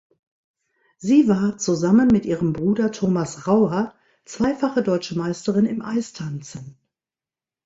Sie war zusammen mit ihrem Bruder Thomas Rauer zweifache Deutsche Meisterin im Eistanzen.